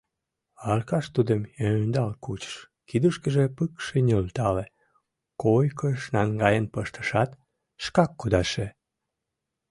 Аркаш тудым ӧндал кучыш, кидышкыже пыкше нӧлтале, койкыш наҥгаен пыштышат, шкак кудаше...